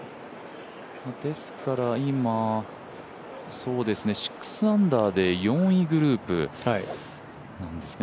ですから今、６アンダーで４位グループですね。